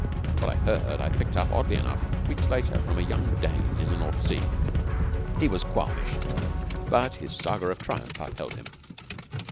What I heard I picked up, oddly enough, weeks later, from a young Dane in the North Sea. He was qualmish, but his Saga of triumph upheld him.